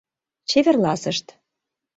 Чеверласышт.